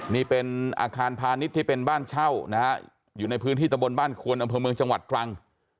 นี่เป็นอาคารพาณิชย์ที่เป็นบ้านเช่านะฮะอยู่ในพื้นที่ตะบนบ้านควนอำเภอเมืองจังหวัดตรัง